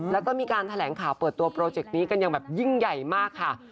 แล้วก็มีการแถลงข่าวเปิดตัวโปรเจกต์นี้กันอย่างแบบยิ่งใหญ่มากค่ะ